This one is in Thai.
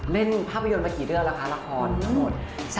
เล่นภาพยนตร์มากี่เดือนแล้วคะละครทั้งหมด